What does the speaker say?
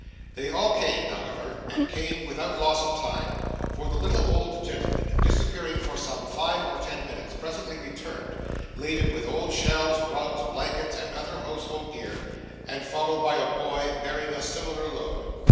They all came, however, and came without loss of time; for the little old gentleman, disappearing for some five or ten minutes, presently returned, laden with old shelves, rugs, blankets, and other household gear, and followed by a boy bearing a similar load.